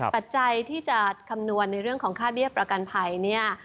ปัจจัยที่จะคำนวณในเรื่องของค่าเบี้ยประกันภัยเนี่ย